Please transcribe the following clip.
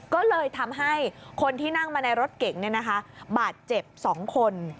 ก็เลยทำให้คนที่นั่งมาในรถเก๋งบาดเจ็บ๒คน